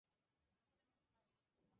viviré